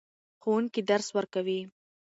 ښوونکي درس ورکوې.